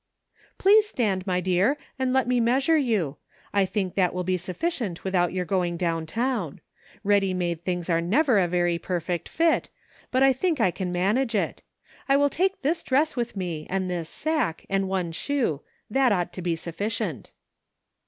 ' ''Please stand, my dear, and let me measure you ; I think that will be sufficient without your going down town ; ready made things are never a very perfect fit, but I think I can manage it. I will take this dress with me, and this sack, and one shoe ; that ought to be sufficient."